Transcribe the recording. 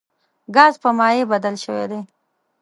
ګاز په مایع بدل شوی دی.